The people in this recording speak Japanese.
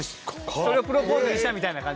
それをプロポーズにしたみたいな感じだった。